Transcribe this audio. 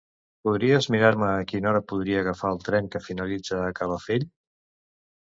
Podries mirar-me a quina hora podria agafar el tren que finalitza a Calafell?